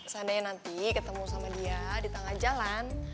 seandainya nanti ketemu sama dia di tangan jalan